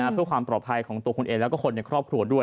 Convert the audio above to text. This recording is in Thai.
เพื่อความปลอดภัยของตัวคุณเองแล้วก็คนในครอบครัวด้วย